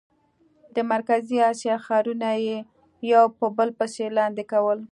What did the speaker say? د مرکزي اسیا ښارونه یې یو په بل پسې لاندې کول.